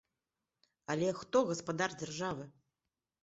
Але хто гаспадар дзяржавы?